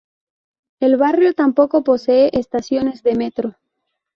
El barrio tampoco posee estaciones de Metro.